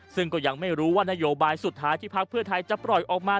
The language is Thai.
ซึ่งก็ยังไม่รู้ว่านโยบายสุดท้ายที่พักเพื่อไทยจะปล่อยออกมา